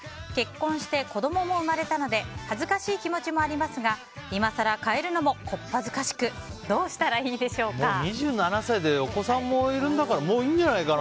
結婚して子供も生まれたので恥ずかしい気持ちもありますが今更変えるのも小っ恥ずかしくどうしたらいいでしょうか。